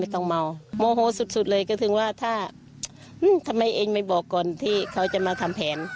ทำไมเองไม่บอกก่อนที่เขาจะมาทำแผน